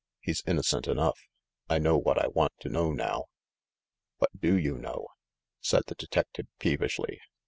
He's innocent enough. I know what I want to know now." "What do you know?" said the detective peevishly.